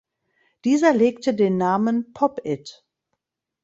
Dieser legte den Namen Pop it!